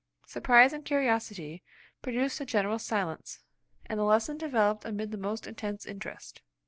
Surprise and curiosity produced a general silence, and the lesson developed amid the most intense interest.